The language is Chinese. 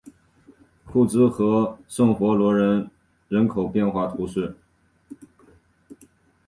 库兹和圣弗龙人口变化图示